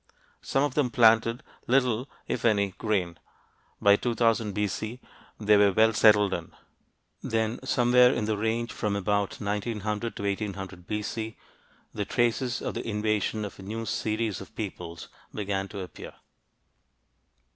Some of them planted little if any grain. By 2000 B.C., they were well settled in. Then, somewhere in the range from about 1900 to 1800 B.C., the traces of the invasion of a new series of peoples began to appear.